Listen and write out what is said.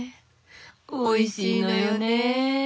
おいしいのよね。